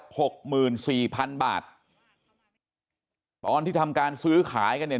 หกหมื่นสี่พันบาทตอนที่ทำการซื้อขายกันเนี่ย